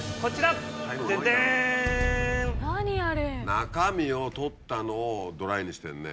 中身を取ったのをドライにしてんね。